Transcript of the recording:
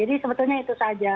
ini itu saja